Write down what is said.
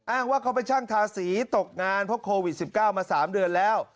อ้างว่าเขาเป็นช่างทาสีตกงานเพราะโควิด๑๙มา๓เดือนแล้ว